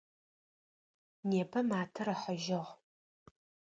Непэ матэр ыхьыжьыгъ.